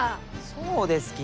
そうですき！